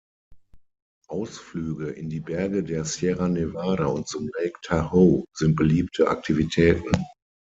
Ausflüge in die Berge der Sierra Nevada und zum Lake Tahoe sind beliebte Aktivitäten.